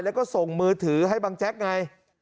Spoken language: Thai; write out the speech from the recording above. แล้วก็ส่งมือถือให้บังแจ๊กไง